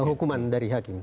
hukuman dari hakim